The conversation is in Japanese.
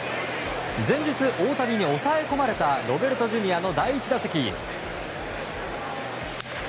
前日、大谷に抑え込まれたロベルトＪｒ．の第１打席。